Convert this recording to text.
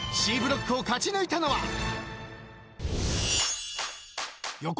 ［Ｃブロックを勝ち抜いたのは］